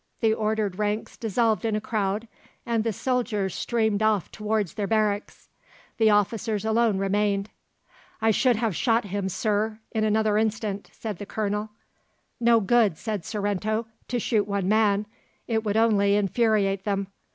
The ordered ranks dissolved in a crowd, and the soldiers streamed off towards their barracks. The officers alone remained. "I should have shot him, Sir, in another instant," said the Colonel. "No good," said Sorrento, "to shoot one man; it would only infuriate them.